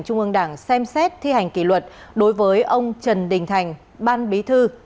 trung ương đảng xem xét thi hành kỷ luật đối với ông trần đình thành ban bí thư